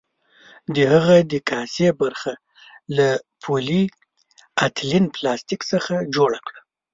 د هغه د کاسې برخه له پولي ایتلین پلاستیک څخه جوړه کړه.